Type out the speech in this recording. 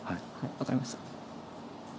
分かりました。